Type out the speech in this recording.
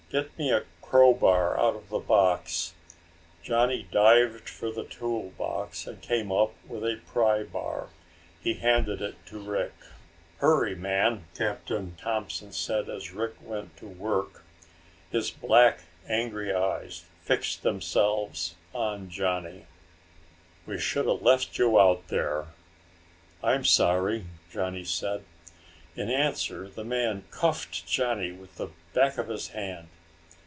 "Get me a crow bar out of the box." Johnny dived for the tool box and came up with a pry bar. He handed it to Rick. "Hurry, man," Captain Thompson said as Rick went to work. His black angry eyes fixed themselves on Johnny. "We should have left you out there." "I'm sorry," Johnny said. In answer the man cuffed Johnny with the back of his hand.